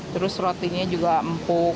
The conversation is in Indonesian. terus rotinya juga empuk